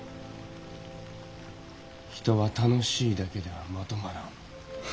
人は楽しいだけではまとまらん。